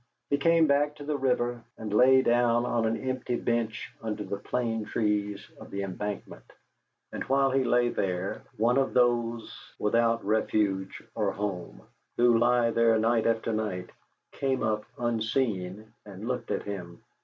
He came back to the river and lay down on an empty bench under the plane trees of the Embankment, and while he lay there one of those without refuge or home, who lie there night after night, came up unseen and looked at him.